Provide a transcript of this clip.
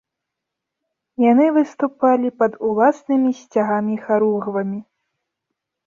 Яны выступалі пад уласнымі сцягамі-харугвамі.